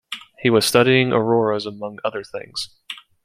He was studying auroras among other things.